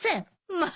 まあ。